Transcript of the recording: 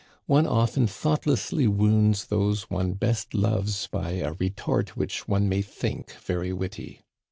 One often thought lessly wounds those one best loves by a retort which one may think very witty.